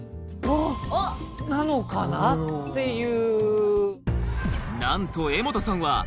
なのかなっていう。